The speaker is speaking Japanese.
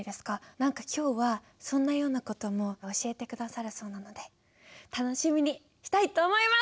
何か今日はそんなような事も教えて下さるそうなので楽しみにしたいと思います！